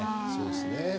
そうですね